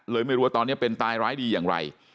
ไม่รู้ว่าตอนนี้เป็นตายร้ายดีอย่างไร